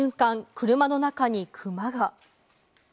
車の中にクマが！